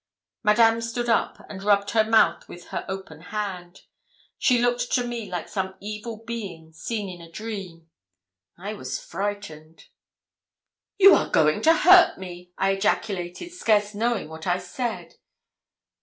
Madame stood up, and rubbed her mouth with her open hand. She looked to me like some evil being seen in a dream. I was frightened. 'You are going to hurt me!' I ejaculated, scarce knowing what I said.